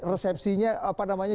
resepsinya apa namanya